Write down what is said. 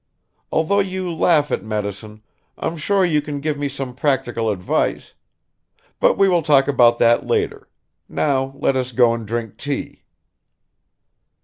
Although you laugh at medicine, I'm sure you can give me some practical advice. But we will talk about that later. Now let us go and drink tea."